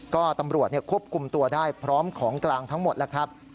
ก็ตำรวจควบคุมตัวได้พร้อมของกลางทั้งหมดแล้วครับ